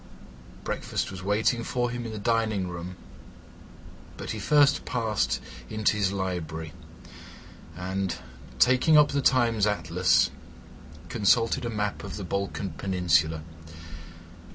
Breakfast was waiting for him in the dining room, but he first passed into his library, and, taking up the Times Atlas, consulted a map of the Balkan Peninsula.